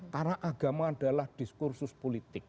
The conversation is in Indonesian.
karena agama adalah diskursus politik